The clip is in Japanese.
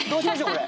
これ。